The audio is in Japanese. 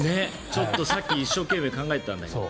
ちょっとさっき一生懸命考えたんだけど。